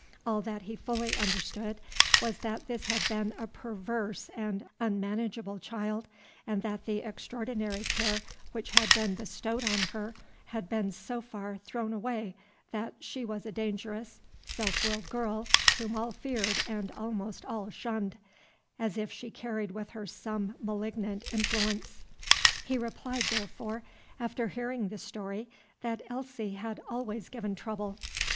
All that he fully understood was that this had been a perverse and unmanageable child, and that the extraordinary care which had been bestowed on her had been so far thrown away that she was a dangerous, self willed girl, whom all feared and almost all shunned, as if she carried with her some malignant influence. He replied, therefore, after hearing the story, that Elsie had always given trouble.